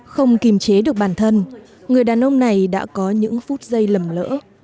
không kìm chế được bản thân người đàn ông này đã có những phút giây lầm lỡ